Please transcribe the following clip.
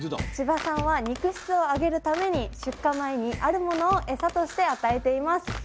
千葉さんは肉質を上げるために出荷前にあるものをエサとして与えています。